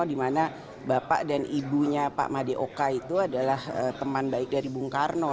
di mana bapak dan ibunya pak madeoka itu adalah teman baik dari bung karno